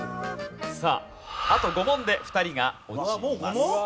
さああと５問で２人が落ちます。